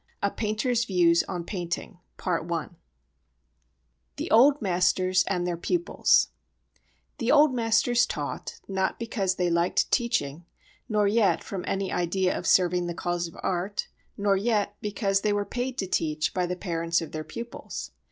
IX A Painter's Views on Painting The Old Masters and Their Pupils THE old masters taught, not because they liked teaching, nor yet from any idea of serving the cause of art, nor yet because they were paid to teach by the parents of their pupils.